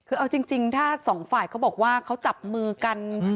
คือเอาจริงถ้าสองฝ่ายเขาบอกว่าเขาจับมือกัน